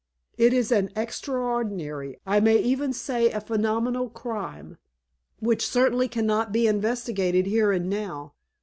It is an extraordinary, I may even say a phenomenal crime, which certainly cannot be investigated here and now.